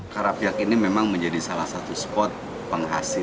karapiak ini memang menjadi salah satu spot penghasil